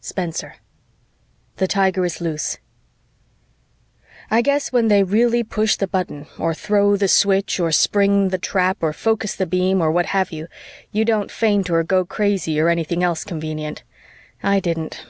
Spenser THE TIGER IS LOOSE I guess when they really push the button or throw the switch or spring the trap or focus the beam or what have you, you don't faint or go crazy or anything else convenient. I didn't.